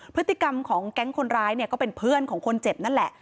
พฤติกรรมของแก๊งคนร้ายเนี่ยก็เป็นเพื่อนของคนเจ็บนั่นแหละ